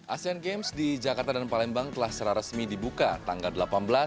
asean games di jakarta dan palembang telah secara resmi dibuka tanggal delapan belas